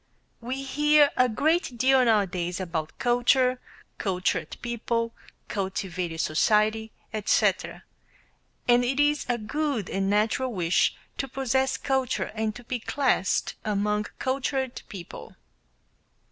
We hear a great deal now a days about culture, cultured people, cultivated society, etc., and it is a good and natural wish to possess culture and to be classed among cultured people.